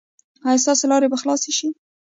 ایا ستاسو لارې به خلاصې شي؟